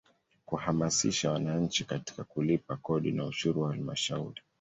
Kuhamasisha wananchi katika kulipa kodi na ushuru wa Halmashauri.